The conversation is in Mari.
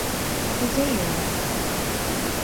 Кузе ила?